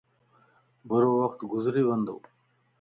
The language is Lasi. ڀرووقت گذري وندو